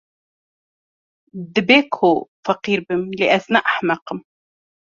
Dibe ku feqîr bim, lê ez ne ehmeq im.